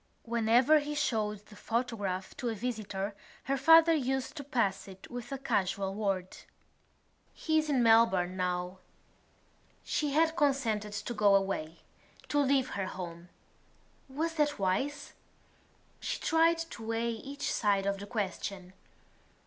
Whenever he showed the photograph to a visitor her father used to pass it with a casual word: "He is in Melbourne now." She had consented to go away, to leave her home. Was that wise? She tried to weigh each side of the question.